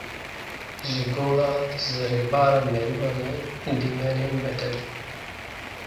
Ji Gola Zirêbar a Merîwanê dîmenên bedew.